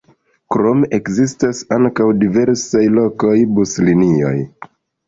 Krome ekzistas ankaŭ diversaj lokaj buslinioj.